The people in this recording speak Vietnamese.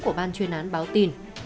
của ban chuyên án báo tin